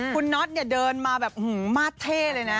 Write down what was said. คุณน็อตเดินมาแบบมากเท่เลยนะ